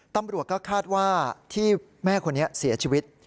ตำรวจก็คาดว่าที่แม่คนนี้เสียชีวิต